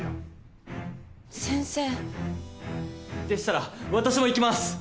でしたら私も行きます！